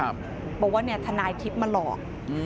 บอกว่าถนายคลิปมาหลอก